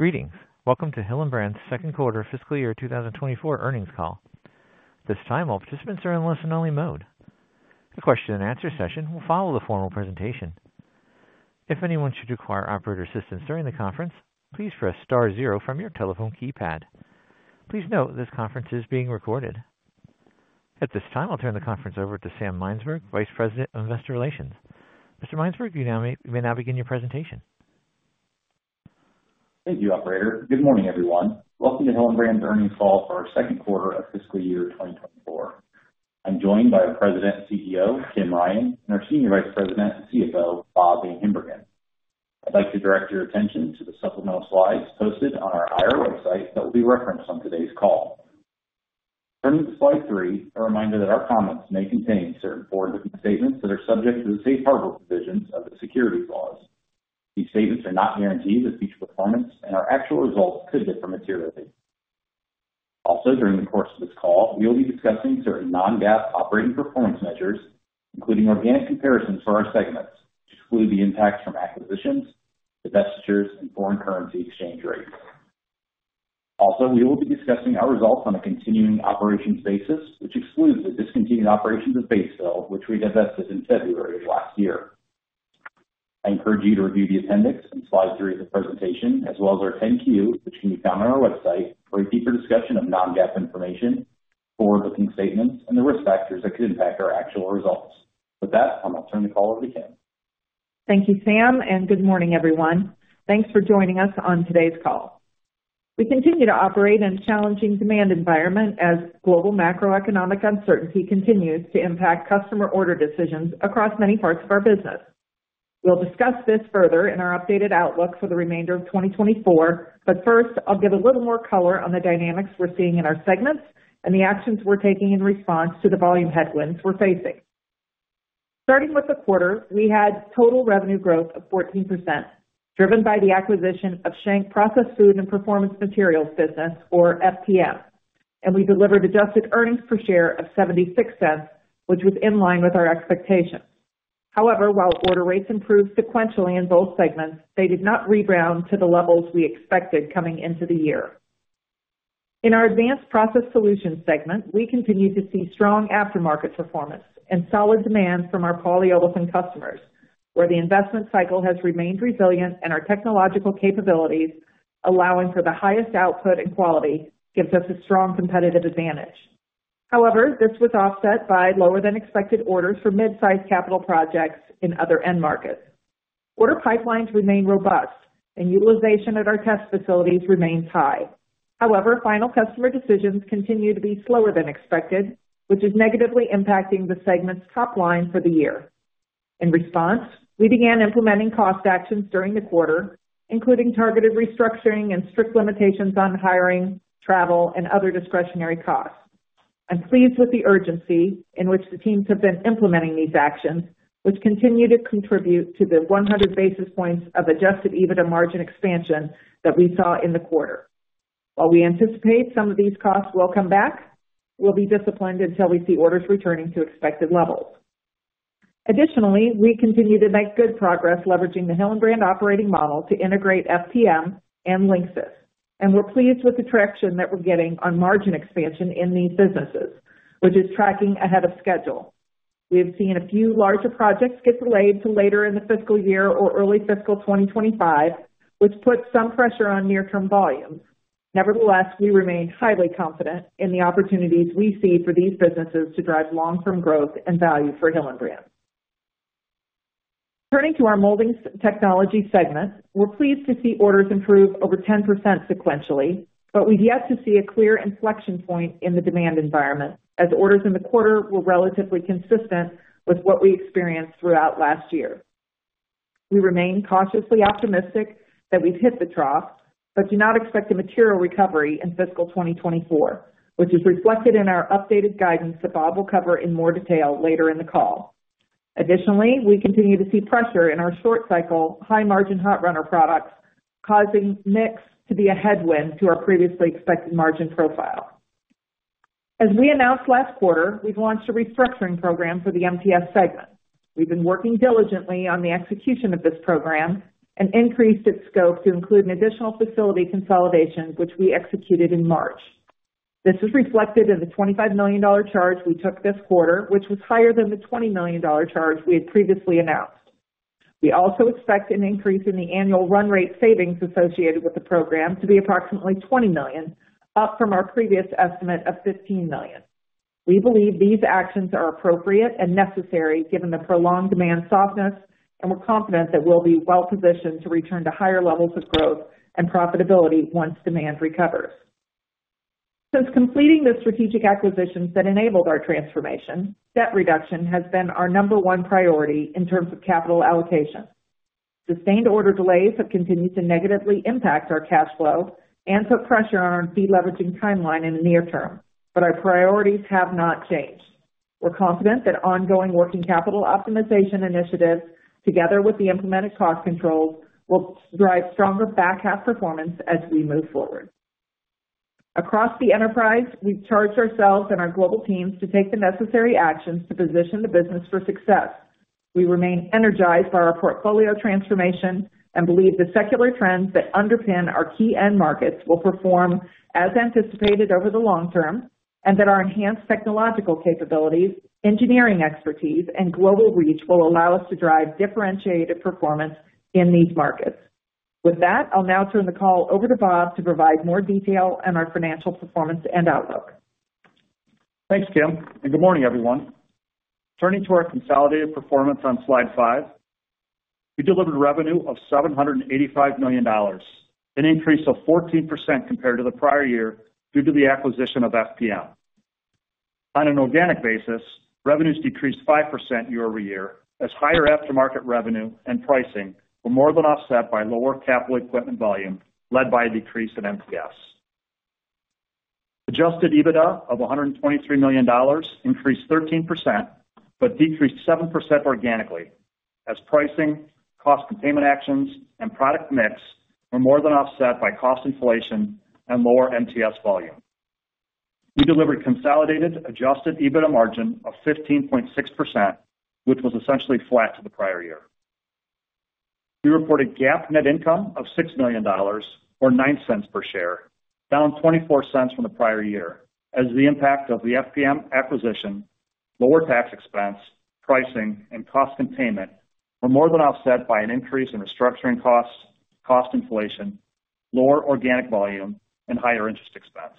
Greetings. Welcome to Hillenbrand's second quarter fiscal year 2024 earnings call. This time all participants are in listen-only mode. The question-and-answer session will follow the formal presentation. If anyone should require operator assistance during the conference, please press star zero from your telephone keypad. Please note this conference is being recorded. At this time I'll turn the conference over to Sam Mynsberge, Vice President of Investor Relations. Mr. Mynsberg, you may now begin your presentation. Thank you, Operator. Good morning, everyone. Welcome to Hillenbrand's earnings call for our second quarter of fiscal year 2024. I'm joined by our President and CEO, Kim Ryan, and our Senior Vice President and CFO, Bob VanHimbergen. I'd like to direct your attention to the supplemental slides posted on our IR website that will be referenced on today's call. Turning to slide three, a reminder that our comments may contain certain forward-looking statements that are subject to the safe harbor provisions of the securities laws. These statements are not guaranteed to future performance, and our actual results could differ materially. Also, during the course of this call, we will be discussing certain non-GAAP operating performance measures, including organic comparisons for our segments, which include the impacts from acquisitions, divestitures, and foreign currency exchange rates. Also, we will be discussing our results on a continuing operations basis, which includes the discontinued operations of Batesville, which we divested in February of last year. I encourage you to review the appendix and slide three of the presentation, as well as our 10-Q, which can be found on our website, for a deeper discussion of non-GAAP information, forward-looking statements, and the risk factors that could impact our actual results. With that, I'm going to turn the call over to Kim. Thank you, Sam, and good morning, everyone. Thanks for joining us on today's call. We continue to operate in a challenging demand environment as global macroeconomic uncertainty continues to impact customer order decisions across many parts of our business. We'll discuss this further in our updated outlook for the remainder of 2024, but first I'll give a little more color on the dynamics we're seeing in our segments and the actions we're taking in response to the volume headwinds we're facing. Starting with the quarter, we had total revenue growth of 14% driven by the acquisition of Schenck Process Food and Performance Materials business, or FPM, and we delivered adjusted earnings per share of $0.76, which was in line with our expectations. However, while order rates improved sequentially in both segments, they did not rebound to the levels we expected coming into the year. In our Advanced Process Solutions segment, we continue to see strong aftermarket performance and solid demand from our polyolefin customers, where the investment cycle has remained resilient and our technological capabilities allowing for the highest output and quality gives us a strong competitive advantage. However, this was offset by lower-than-expected orders for midsize capital projects in other end markets. Order pipelines remain robust, and utilization at our test facilities remains high. However, final customer decisions continue to be slower than expected, which is negatively impacting the segment's top line for the year. In response, we began implementing cost actions during the quarter, including targeted restructuring and strict limitations on hiring, travel, and other discretionary costs. I'm pleased with the urgency in which the teams have been implementing these actions, which continue to contribute to the 100 basis points of Adjusted EBITDA margin expansion that we saw in the quarter. While we anticipate some of these costs will come back, we'll be disciplined until we see orders returning to expected levels. Additionally, we continue to make good progress leveraging the Hillenbrand operating model to integrate FPM and Linxis, and we're pleased with the traction that we're getting on margin expansion in these businesses, which is tracking ahead of schedule. We have seen a few larger projects get delayed to later in the fiscal year or early fiscal 2025, which puts some pressure on near-term volumes. Nevertheless, we remain highly confident in the opportunities we see for these businesses to drive long-term growth and value for Hillenbrand. Turning to our molding technology segment, we're pleased to see orders improve over 10% sequentially, but we've yet to see a clear inflection point in the demand environment as orders in the quarter were relatively consistent with what we experienced throughout last year. We remain cautiously optimistic that we've hit the trough, but do not expect a material recovery in fiscal 2024, which is reflected in our updated guidance that Bob will cover in more detail later in the call. Additionally, we continue to see pressure in our short-cycle high-margin hot-runner products, causing MTS to be a headwind to our previously expected margin profile. As we announced last quarter, we've launched a restructuring program for the MTS segment. We've been working diligently on the execution of this program and increased its scope to include an additional facility consolidation, which we executed in March. This is reflected in the $25 million charge we took this quarter, which was higher than the $20 million charge we had previously announced. We also expect an increase in the annual run rate savings associated with the program to be approximately $20 million, up from our previous estimate of $15 million. We believe these actions are appropriate and necessary given the prolonged demand softness, and we're confident that we'll be well-positioned to return to higher levels of growth and profitability once demand recovers. Since completing the strategic acquisitions that enabled our transformation, debt reduction has been our number one priority in terms of capital allocation. Sustained order delays have continued to negatively impact our cash flow and put pressure on our deleveraging timeline in the near term, but our priorities have not changed. We're confident that ongoing working capital optimization initiatives, together with the implemented cost controls, will drive stronger back half performance as we move forward. Across the enterprise, we've charged ourselves and our global teams to take the necessary actions to position the business for success. We remain energized by our portfolio transformation and believe the secular trends that underpin our key end markets will perform as anticipated over the long term, and that our enhanced technological capabilities, engineering expertise, and global reach will allow us to drive differentiated performance in these markets. With that, I'll now turn the call over to Bob to provide more detail on our financial performance and outlook. Thanks, Kim, and good morning, everyone. Turning to our consolidated performance on slide five, we delivered revenue of $785 million, an increase of 14% compared to the prior year due to the acquisition of FPM. On an organic basis, revenues decreased 5% year-over-year as higher aftermarket revenue and pricing were more than offset by lower capital equipment volume led by a decrease in MTS. Adjusted EBITDA of $123 million increased 13% but decreased 7% organically as pricing, cost containment actions, and product mix were more than offset by cost inflation and lower MTS volume. We delivered consolidated adjusted EBITDA margin of 15.6%, which was essentially flat to the prior year. We reported GAAP net income of $6 million or $0.09 per share, down $0.24 from the prior year as the impact of the FPM acquisition, lower tax expense, pricing, and cost containment were more than offset by an increase in restructuring costs, cost inflation, lower organic volume, and higher interest expense.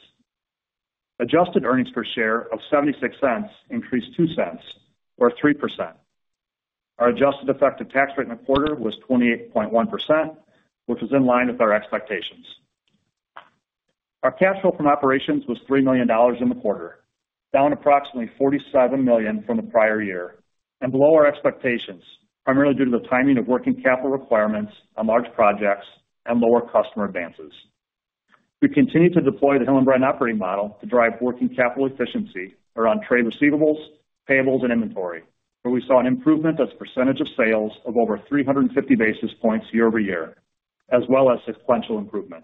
Adjusted earnings per share of $0.76 increased $0.02 or 3%. Our adjusted effective tax rate in the quarter was 28.1%, which was in line with our expectations. Our cash flow from operations was $3 million in the quarter, down approximately $47 million from the prior year and below our expectations, primarily due to the timing of working capital requirements on large projects and lower customer advances. We continue to deploy the Hillenbrand operating model to drive working capital efficiency around trade receivables, payables, and inventory, where we saw an improvement as a percentage of sales of over 350 basis points year-over-year, as well as sequential improvement.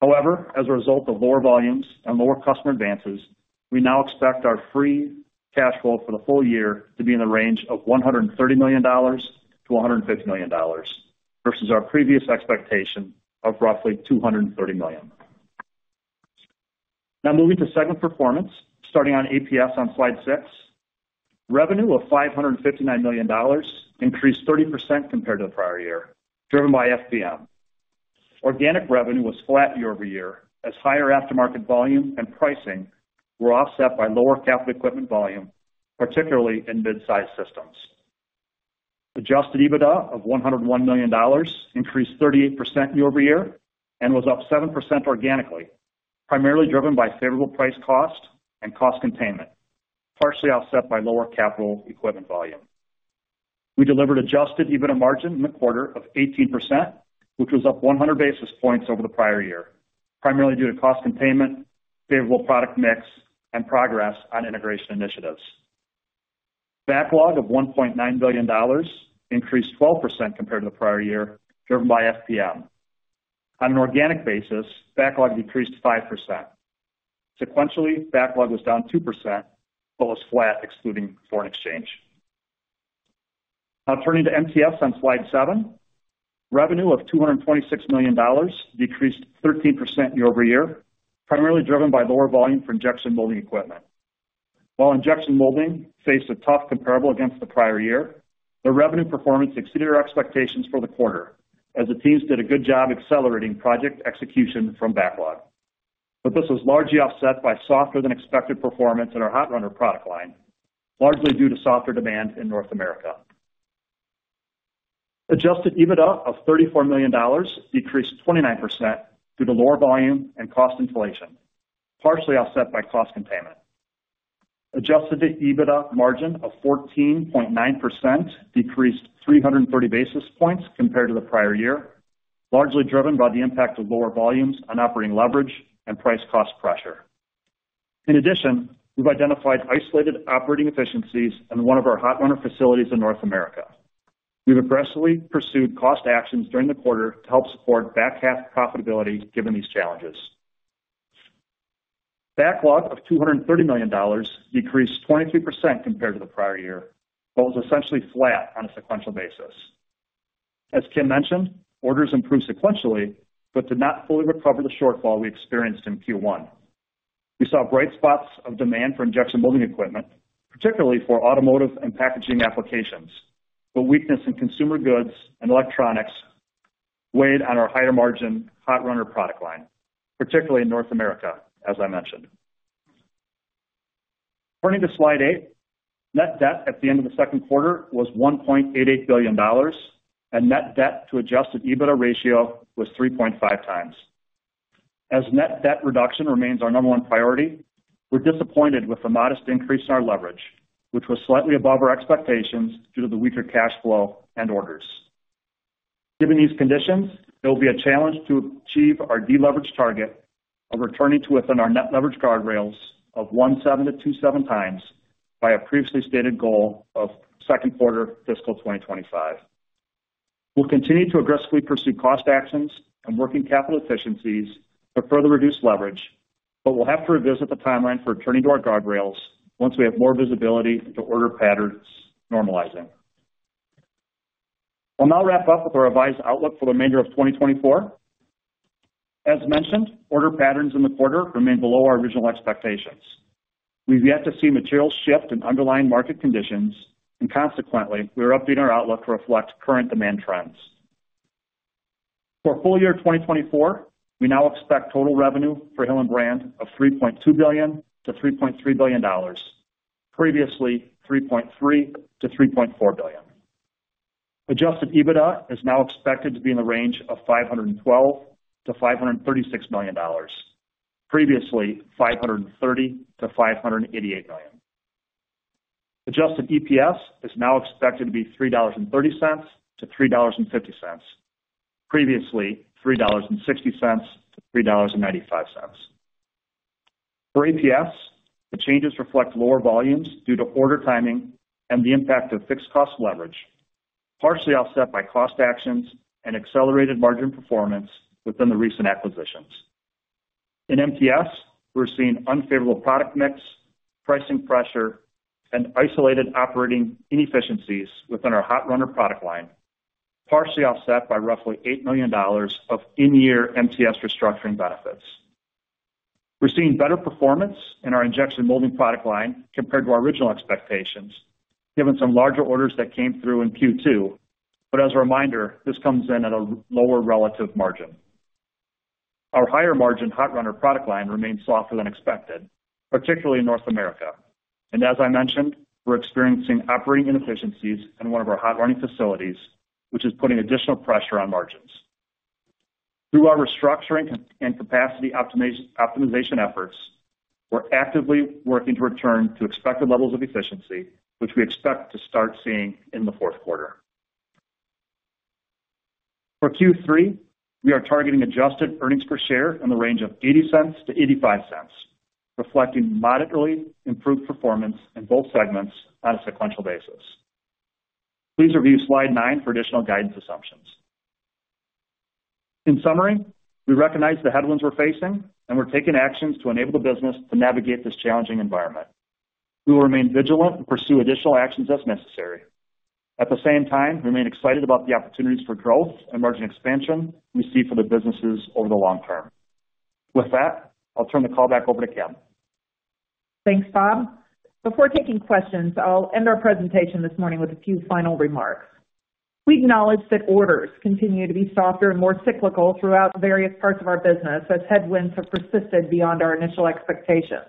However, as a result of lower volumes and lower customer advances, we now expect our free cash flow for the full year to be in the range of $130 million-$150 million versus our previous expectation of roughly $230 million. Now moving to segment performance, starting on APS on slide six, revenue of $559 million increased 30% compared to the prior year, driven by FPM. Organic revenue was flat year-over-year as higher aftermarket volume and pricing were offset by lower capital equipment volume, particularly in midsize systems. Adjusted EBITDA of $101 million increased 38% year-over-year and was up 7% organically, primarily driven by favorable price cost and cost containment, partially offset by lower capital equipment volume. We delivered adjusted EBITDA margin in the quarter of 18%, which was up 100 basis points over the prior year, primarily due to cost containment, favorable product mix, and progress on integration initiatives. Backlog of $1.9 billion increased 12% compared to the prior year, driven by FPM. On an organic basis, backlog decreased 5%. Sequentially, backlog was down 2% but was flat, excluding foreign exchange. Now turning to MTS on slide seven, revenue of $226 million decreased 13% year-over-year, primarily driven by lower volume for injection molding equipment. While injection molding faced a tough comparable against the prior year, the revenue performance exceeded our expectations for the quarter as the teams did a good job accelerating project execution from backlog. But this was largely offset by softer-than-expected performance in our hot-runner product line, largely due to softer demand in North America. Adjusted EBITDA of $34 million decreased 29% due to lower volume and cost inflation, partially offset by cost containment. Adjusted EBITDA margin of 14.9% decreased 330 basis points compared to the prior year, largely driven by the impact of lower volumes on operating leverage and price cost pressure. In addition, we've identified isolated operating efficiencies in one of our hot-runner facilities in North America. We've aggressively pursued cost actions during the quarter to help support back half profitability given these challenges. Backlog of $230 million decreased 23% compared to the prior year but was essentially flat on a sequential basis. As Kim mentioned, orders improved sequentially but did not fully recover the shortfall we experienced in Q1. We saw bright spots of demand for injection molding equipment, particularly for automotive and packaging applications, but weakness in consumer goods and electronics weighed on our higher margin hot-runner product line, particularly in North America, as I mentioned. Turning to slide eight, net debt at the end of the second quarter was $1.88 billion, and net debt to adjusted EBITDA ratio was 3.5 times. As net debt reduction remains our number one priority, we're disappointed with the modest increase in our leverage, which was slightly above our expectations due to the weaker cash flow and orders. Given these conditions, it will be a challenge to achieve our deleveraged target of returning to within our net leverage guardrails of 17-27 times by a previously stated goal of second quarter fiscal 2025. We'll continue to aggressively pursue cost actions and working capital efficiencies to further reduce leverage, but we'll have to revisit the timeline for turning to our guardrails once we have more visibility into order patterns normalizing. I'll now wrap up with our revised outlook for the remainder of 2024. As mentioned, order patterns in the quarter remain below our original expectations. We've yet to see materials shift in underlying market conditions, and consequently, we are updating our outlook to reflect current demand trends. For full year 2024, we now expect total revenue for Hillenbrand of $3.2 -3.3 billion, previously $3.3-3.4 billion. Adjusted EBITDA is now expected to be in the range of $512- 536 million, previously $530- 588 million. Adjusted EPS is now expected to be $3.30- 3.50, previously $3.60- 3.95. For APS, the changes reflect lower volumes due to order timing and the impact of fixed cost leverage, partially offset by cost actions and accelerated margin performance within the recent acquisitions. In MTS, we're seeing unfavorable product mix, pricing pressure, and isolated operating inefficiencies within our hot-runner product line, partially offset by roughly $8 million of in-year MTS restructuring benefits. We're seeing better performance in our injection molding product line compared to our original expectations, given some larger orders that came through in Q2, but as a reminder, this comes in at a lower relative margin. Our higher margin hot-runner product line remains softer than expected, particularly in North America, and as I mentioned, we're experiencing operating inefficiencies in one of our hot-runner facilities, which is putting additional pressure on margins. Through our restructuring and capacity optimization efforts, we're actively working to return to expected levels of efficiency, which we expect to start seeing in the fourth quarter. For Q3, we are targeting adjusted earnings per share in the range of $0.80- 0.85, reflecting moderately improved performance in both segments on a sequential basis. Please review slide nine for additional guidance assumptions. In summary, we recognize the headwinds we're facing and we're taking actions to enable the business to navigate this challenging environment. We will remain vigilant and pursue additional actions as necessary. At the same time, we remain excited about the opportunities for growth and margin expansion we see for the businesses over the long term. With that, I'll turn the call back over to Kim. Thanks, Bob. Before taking questions, I'll end our presentation this morning with a few final remarks. We acknowledge that orders continue to be softer and more cyclical throughout various parts of our business as headwinds have persisted beyond our initial expectations.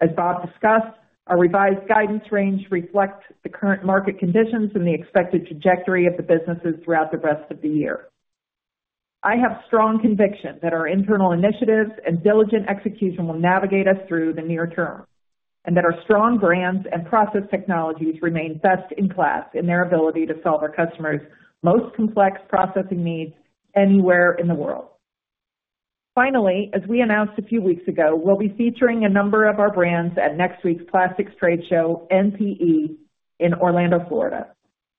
As Bob discussed, our revised guidance range reflects the current market conditions and the expected trajectory of the businesses throughout the rest of the year. I have strong conviction that our internal initiatives and diligent execution will navigate us through the near term, and that our strong brands and process technologies remain best in class in their ability to solve our customers' most complex processing needs anywhere in the world. Finally, as we announced a few weeks ago, we'll be featuring a number of our brands at next week's Plastics Trade Show, NPE, in Orlando, Florida.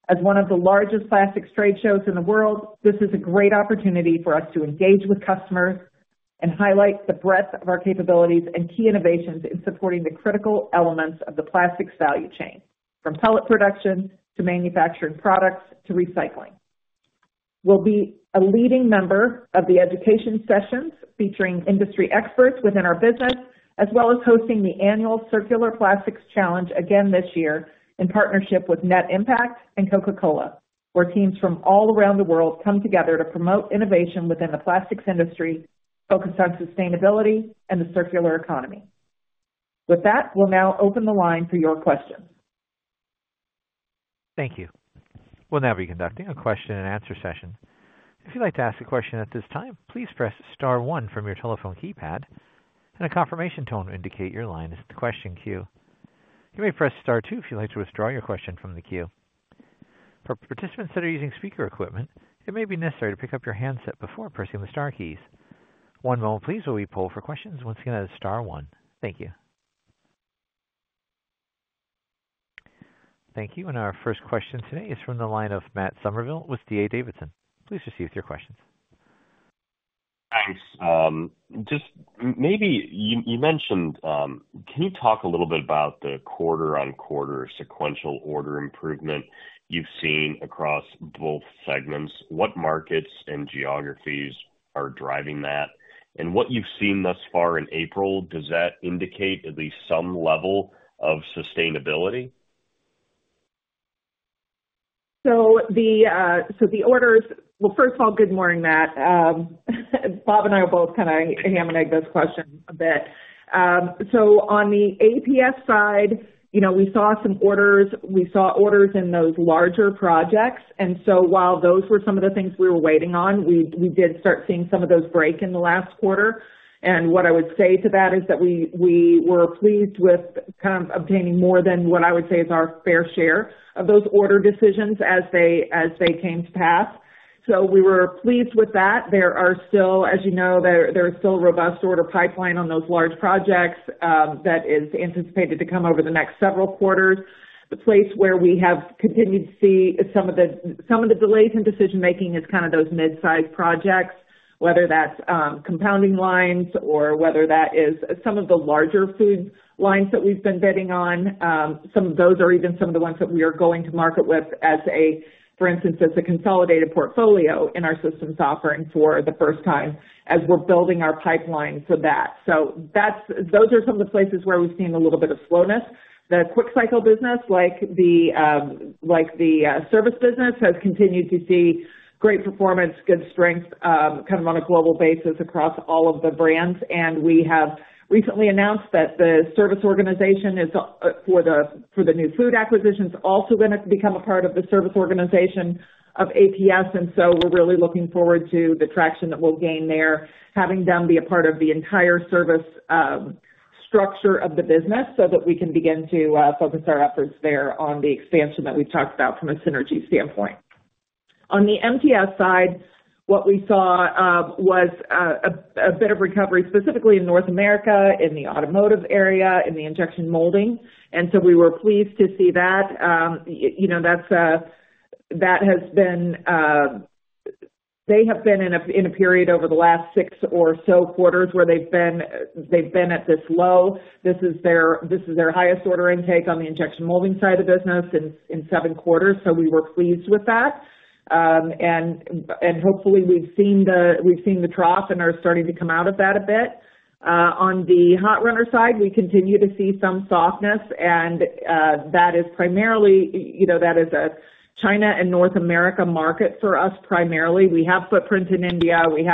As one of the largest plastics trade shows in the world, this is a great opportunity for us to engage with customers and highlight the breadth of our capabilities and key innovations in supporting the critical elements of the plastics value chain, from pellet production to manufacturing products to recycling. We'll be a leading member of the education sessions featuring industry experts within our business, as well as hosting the annual Circular Plastics Challenge again this year in partnership with Net Impact and Coca-Cola, where teams from all around the world come together to promote innovation within the plastics industry focused on sustainability and the circular economy. With that, we'll now open the line for your questions. Thank you. We'll now be conducting a question and answer session. If you'd like to ask a question at this time, please press star one from your telephone keypad, and a confirmation tone will indicate your line is at the question queue. You may press star two if you'd like to withdraw your question from the queue. For participants that are using speaker equipment, it may be necessary to pick up your handset before pressing the star keys. One moment, please, while we pull for questions. Once again, that is star one. Thank you. Thank you. And our first question today is from the line of Matt Summerville with D.A. Davidson. Please proceed with your question. Thanks. Just maybe you mentioned can you talk a little bit about the quarter-on-quarter sequential order improvement you've seen across both segments? What markets and geographies are driving that? And what you've seen thus far in April, does that indicate at least some level of sustainability? So the orders, well, first of all, good morning, Matt. Bob and I are both kind of hammering this question a bit. So on the APS side, we saw some orders. We saw orders in those larger projects. And so while those were some of the things we were waiting on, we did start seeing some of those break in the last quarter. And what I would say to that is that we were pleased with kind of obtaining more than what I would say is our fair share of those order decisions as they came to pass. So we were pleased with that. There are still, as you know, there is still a robust order pipeline on those large projects that is anticipated to come over the next several quarters. The place where we have continued to see some of the delays in decision-making is kind of those midsize projects, whether that's compounding lines or whether that is some of the larger food lines that we've been betting on. Some of those are even some of the ones that we are going to market with as a for instance, as a consolidated portfolio in our systems offering for the first time as we're building our pipeline for that. So those are some of the places where we've seen a little bit of slowness. The quick cycle business, like the service business, has continued to see great performance, good strength kind of on a global basis across all of the brands. And we have recently announced that the service organization for the new food acquisition is also going to become a part of the service organization of APS. And so we're really looking forward to the traction that we'll gain there, having them be a part of the entire service structure of the business so that we can begin to focus our efforts there on the expansion that we've talked about from a synergy standpoint. On the MTS side, what we saw was a bit of recovery, specifically in North America, in the automotive area, in the injection molding. And so we were pleased to see that. That has been, they have been in a period over the last six or so quarters where they've been at this low. This is their highest order intake on the injection molding side of business in seven quarters. So we were pleased with that. And hopefully, we've seen the trough and are starting to come out of that a bit. On the hot-runner side, we continue to see some softness, and that is primarily a China and North America market for us primarily. We have footprint in India. We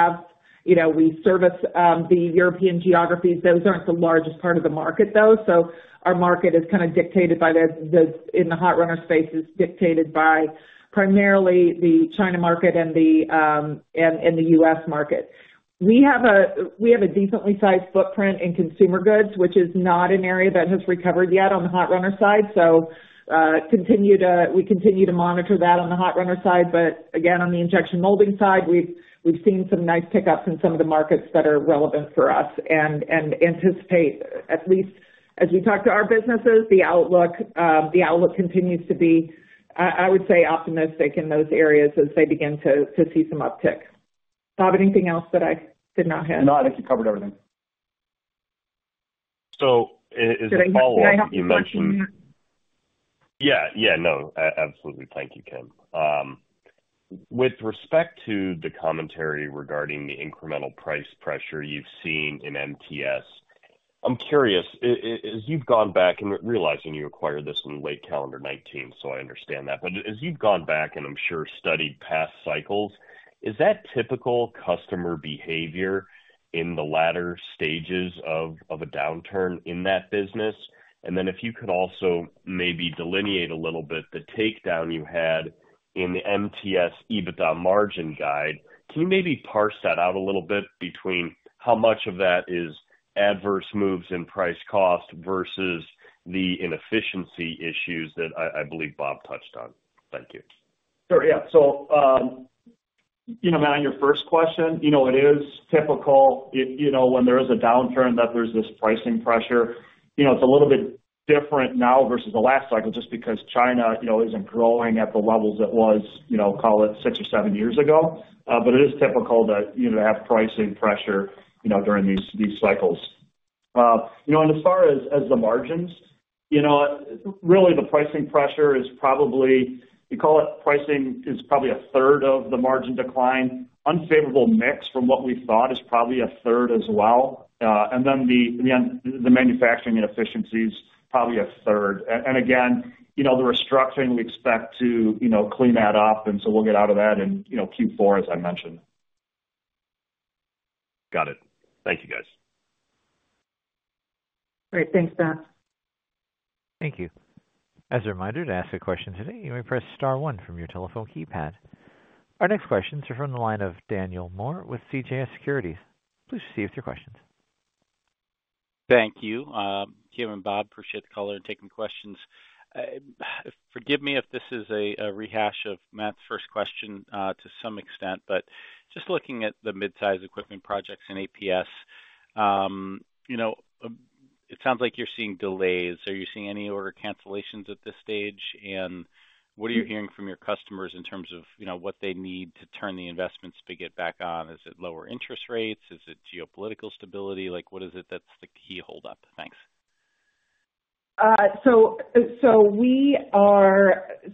service the European geographies. Those aren't the largest part of the market, though. So our market is kind of dictated by the hot-runner space is dictated by primarily the China market and the US market. We have a decently sized footprint in consumer goods, which is not an area that has recovered yet on the hot-runner side. So we continue to monitor that on the hot-runner side. But again, on the injection molding side, we've seen some nice pickups in some of the markets that are relevant for us and anticipate at least as we talk to our businesses, the outlook continues to be, I would say, optimistic in those areas as they begin to see some uptick. Bob, anything else that I did not have? No, I think you covered everything. Is it a follow-up? You mentioned. Yeah. Yeah. No. Absolutely. Thank you, Kim. With respect to the commentary regarding the incremental price pressure you've seen in MTS, I'm curious. As you've gone back and realizing you acquired this in late calendar 2019, so I understand that. But as you've gone back and I'm sure studied past cycles, is that typical customer behavior in the latter stages of a downturn in that business? And then if you could also maybe delineate a little bit the takedown you had in the MTS EBITDA margin guide, can you maybe parse that out a little bit between how much of that is adverse moves in price cost versus the inefficiency issues that I believe Bob touched on? Thank you. Sure. Yeah. So Matt, on your first question, it is typical when there is a downturn that there's this pricing pressure. It's a little bit different now versus the last cycle just because China isn't growing at the levels it was, call it, six or seven years ago. But it is typical to have pricing pressure during these cycles. And as far as the margins, really, the pricing pressure is probably you call it pricing is probably a third of the margin decline. Unfavorable mix from what we thought is probably a third as well. And then the manufacturing inefficiency is probably a third. And again, the restructuring, we expect to clean that up. And so we'll get out of that in Q4, as I mentioned. Got it. Thank you, guys. Great. Thanks, Matt. Thank you. As a reminder, to ask a question today, you may press star one from your telephone keypad. Our next questions are from the line of Daniel Moore with CJS Securities. Please receive your questions. Thank you, Kim and Bob. Appreciate the call and taking the questions. Forgive me if this is a rehash of Matt's first question to some extent, but just looking at the midsize equipment projects in APS, it sounds like you're seeing delays. Are you seeing any order cancellations at this stage? And what are you hearing from your customers in terms of what they need to turn the investments to get back on? Is it lower interest rates? Is it geopolitical stability? What is it that's the key holdup? Thanks. So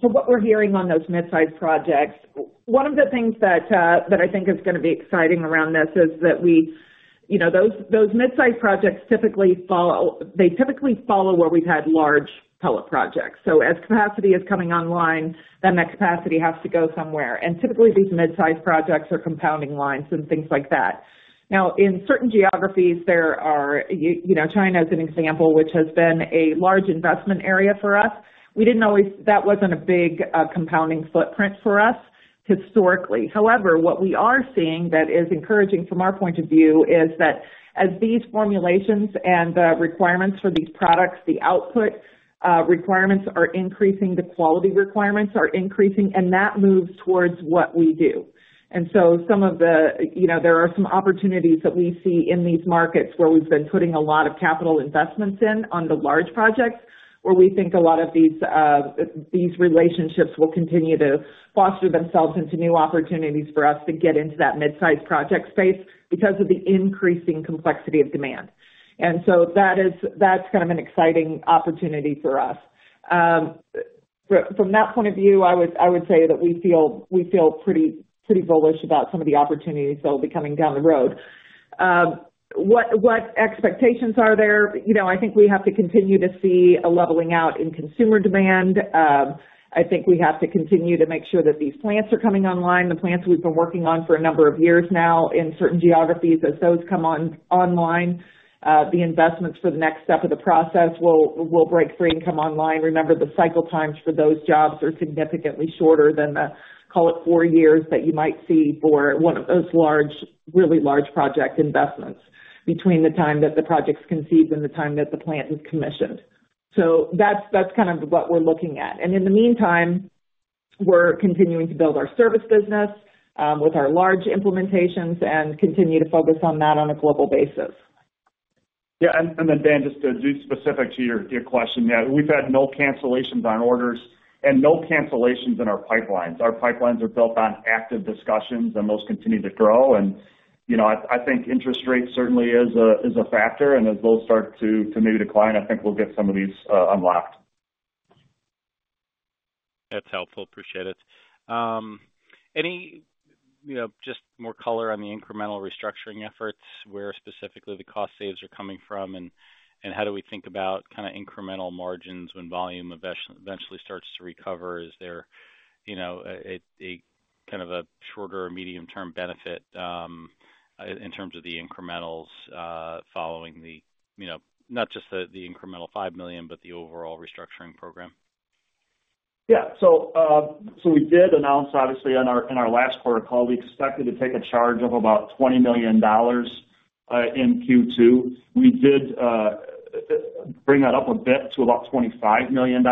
what we're hearing on those midsize projects, one of the things that I think is going to be exciting around this is that those midsize projects typically follow. They typically follow where we've had large pellet projects. So as capacity is coming online, then that capacity has to go somewhere. And typically, these midsize projects are compounding lines and things like that. Now, in certain geographies, there is China as an example, which has been a large investment area for us. We didn't always. That wasn't a big compounding footprint for us historically. However, what we are seeing, that is encouraging from our point of view, is that as these formulations and the requirements for these products, the output requirements are increasing, the quality requirements are increasing, and that moves towards what we do. And so there are some opportunities that we see in these markets where we've been putting a lot of capital investments in on the large projects where we think a lot of these relationships will continue to foster themselves into new opportunities for us to get into that midsize project space because of the increasing complexity of demand. And so that's kind of an exciting opportunity for us. From that point of view, I would say that we feel pretty bullish about some of the opportunities that will be coming down the road. What expectations are there? I think we have to continue to see a leveling out in consumer demand. I think we have to continue to make sure that these plants are coming online, the plants we've been working on for a number of years now in certain geographies. As those come online, the investments for the next step of the process will break free and come online. Remember, the cycle times for those jobs are significantly shorter than the, call it, four years that you might see for one of those really large project investments between the time that the project's conceived and the time that the plant is commissioned. So that's kind of what we're looking at. And in the meantime, we're continuing to build our service business with our large implementations and continue to focus on that on a global basis. Yeah. And then, Dan, just to be specific to your question, yeah, we've had no cancellations on orders and no cancellations in our pipelines. Our pipelines are built on active discussions, and those continue to grow. And I think interest rate certainly is a factor. And as those start to maybe decline, I think we'll get some of these unlocked. That's helpful. Appreciate it. Any just more color on the incremental restructuring efforts? Where specifically the cost saves are coming from? And how do we think about kind of incremental margins when volume eventually starts to recover? Is there kind of a shorter or medium-term benefit in terms of the incrementals following the not just the incremental $5 million, but the overall restructuring program? Yeah. So we did announce, obviously, in our last quarter call, we expected to take a charge of about $20 million in Q2. We did bring that up a bit to about $25 million.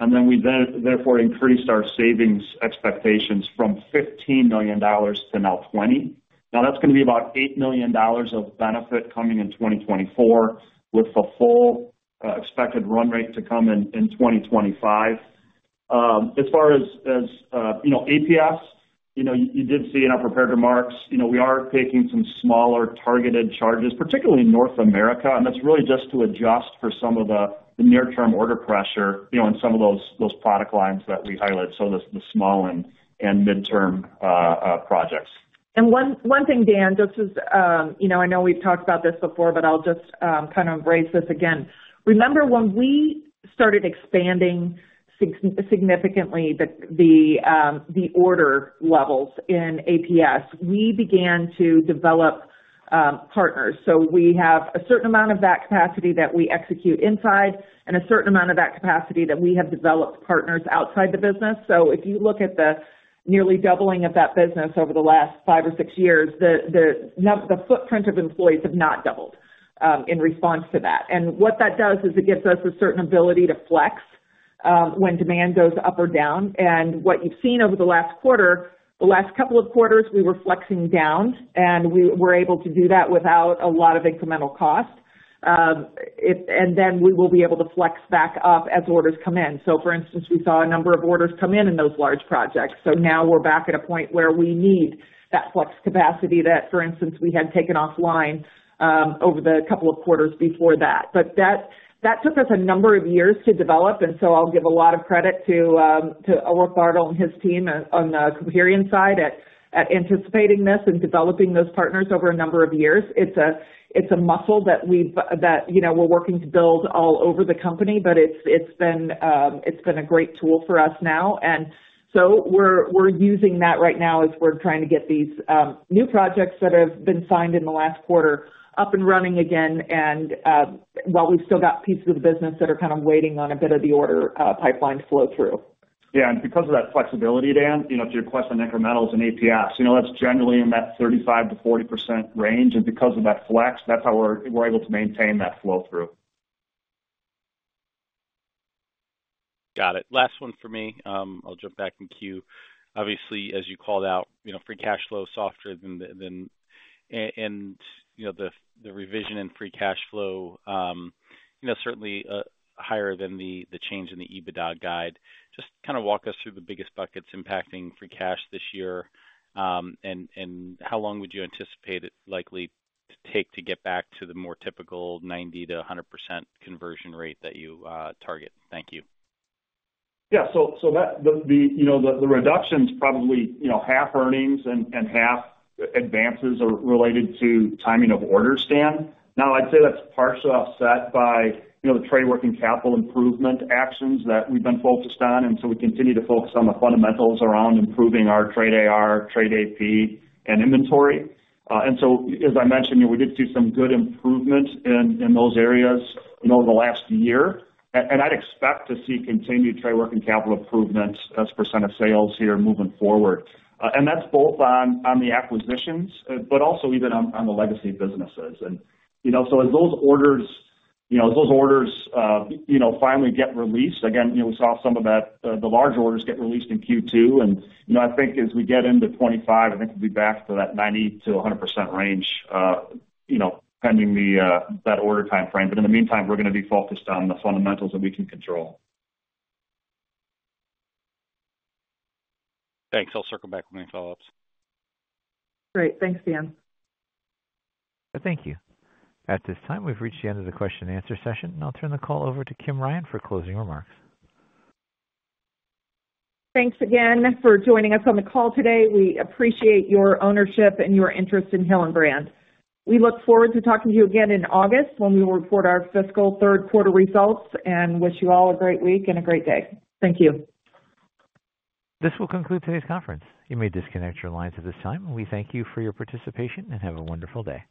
And then we then, therefore, increased our savings expectations from $15 million to now $20 million. Now, that's going to be about $8 million of benefit coming in 2024 with the full expected run rate to come in 2025. As far as APS, you did see in our prepared remarks, we are taking some smaller targeted charges, particularly in North America. And that's really just to adjust for some of the near-term order pressure in some of those product lines that we highlight, so the small and midsize projects. One thing, Dan, just as I know we've talked about this before, but I'll just kind of embrace this again. Remember, when we started expanding significantly the order levels in APS, we began to develop partners. We have a certain amount of that capacity that we execute inside and a certain amount of that capacity that we have developed partners outside the business. If you look at the nearly doubling of that business over the last five or six years, the footprint of employees have not doubled in response to that. What that does is it gives us a certain ability to flex when demand goes up or down. What you've seen over the last quarter, the last couple of quarters, we were flexing down, and we were able to do that without a lot of incremental cost. Then we will be able to flex back up as orders come in. So for instance, we saw a number of orders come in in those large projects. So now we're back at a point where we need that flex capacity that, for instance, we had taken offline over the couple of quarters before that. But that took us a number of years to develop. And so I'll give a lot of credit to Ulrich Bartel and his team on the Coperion side at anticipating this and developing those partners over a number of years. It's a muscle that we're working to build all over the company, but it's been a great tool for us now. And so we're using that right now as we're trying to get these new projects that have been signed in the last quarter up and running again while we've still got pieces of the business that are kind of waiting on a bit of the order pipeline to flow through. Yeah. And because of that flexibility, Dan, to your question on incrementals in APS, that's generally in that 35%-40% range. Because of that flex, that's how we're able to maintain that flow through. Got it. Last one for me. I'll jump back in queue. Obviously, as you called out, free cash flow is softer than and the revision in free cash flow, certainly higher than the change in the EBITDA guide. Just kind of walk us through the biggest buckets impacting free cash this year and how long would you anticipate it likely to take to get back to the more typical 90%-100% conversion rate that you target? Thank you. Yeah. So the reductions, probably half earnings and half advances, are related to timing of orders, Dan. Now, I'd say that's partially offset by the trade-working capital improvement actions that we've been focused on. And so we continue to focus on the fundamentals around improving our trade AR, trade AP, and inventory. And so as I mentioned, we did see some good improvement in those areas over the last year. And I'd expect to see continued trade-working capital improvements as percent of sales here moving forward. And that's both on the acquisitions but also even on the legacy businesses. And so as those orders finally get released again, we saw some of that, the large orders get released in Q2. And I think as we get into 2025, I think we'll be back to that 90%-100% range pending that order timeframe. But in the meantime, we're going to be focused on the fundamentals that we can control. Thanks. I'll circle back with any follow-ups. Great. Thanks, Dan. Thank you. At this time, we've reached the end of the question-and-answer session. I'll turn the call over to Kim Ryan for closing remarks. Thanks again for joining us on the call today. We appreciate your ownership and your interest in Hillenbrand. We look forward to talking to you again in August when we will report our fiscal third-quarter results and wish you all a great week and a great day. Thank you. This will conclude today's conference. You may disconnect your lines at this time. We thank you for your participation and have a wonderful day.